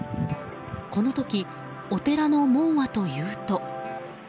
この時、お寺の門はというと。